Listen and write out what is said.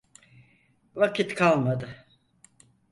Vakit kalmadı.